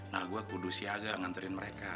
nah gue kudus siaga nganterin mereka